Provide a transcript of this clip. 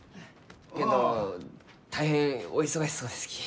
けんど大変お忙しそうですき。